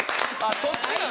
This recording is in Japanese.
そっちなん？